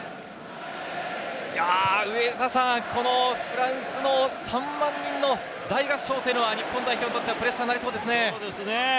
フランスの３万人の大合唱は日本代表にとってプレッシャーになりそうですね。